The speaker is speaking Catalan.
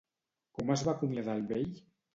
Com es va acomiadar el vell?